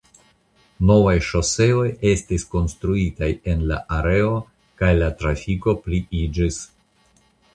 Novaj ŝoseoj estis konstruitaj en la areo kaj la trafiko pliiĝis.